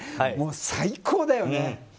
もう最高だよね。